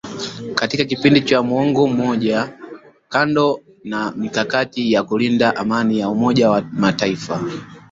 katika kipindi cha muongo mmoja kando na mikakati ya kulinda Amani ya Umoja wa mataifa